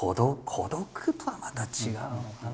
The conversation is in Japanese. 孤独とはまた違うのかな。